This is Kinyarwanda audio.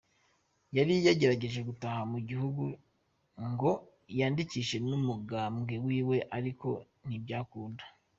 Yari yagerageje gutaha mu gihugu ngo yandikishe n'umugambwe wiwe ariko ntivyakunda.